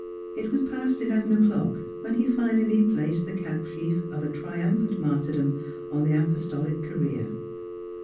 It was past eleven o'clock when he finally placed the cap sheaf of a triumphant martyrdom on the apostolic career.